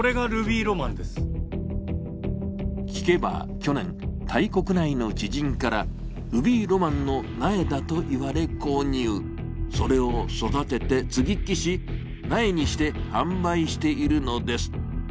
聞けば去年、タイ国内の知人からルビーロマンの苗だと言われ、購入それを育てて接ぎ木し、苗にして販売しているのです。